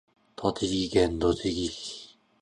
栃木県栃木市